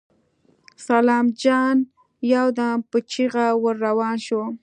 سلام جان يودم په چيغه ور روان شو.